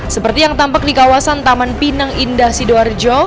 seperti yang tampak di kawasan taman pinang indah sidoarjo